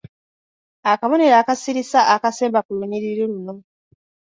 Akabonero akasirisa akasemba ku lunyiriri luno.